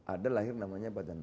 ada lahir namanya bagaimana